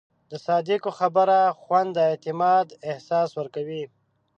د صادقو خبرو خوند د اعتماد احساس ورکوي.